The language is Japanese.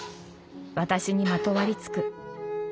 私にまとわりつく。